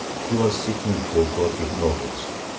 He was seeking for the Gothic nobles.